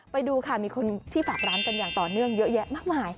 ไปดูค่ะมีคนที่ฝากร้านกันอย่างต่อเนื่องเยอะแยะมากมาย